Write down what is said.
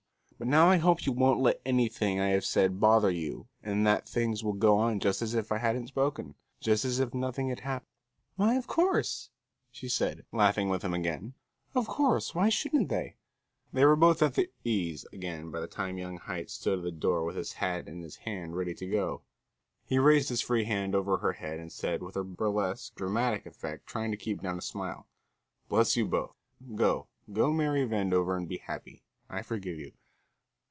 But now I hope you won't let anything I have said bother you, and that things will go on just as if I hadn't spoken, just as if nothing had happened." "Why, of course," she said, laughing with him again. "Of course, why shouldn't they?" They were both at their ease again by the time young Haight stood at the door with his hat in his hand ready to go. He raised his free hand over her head, and said, with burlesque, dramatic effect, trying to keep down a smile: "Bless you both; go, go marry Vandover and be happy; I forgive you."